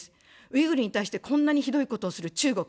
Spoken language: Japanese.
ウイグルに対して、こんなにひどいことをする中国。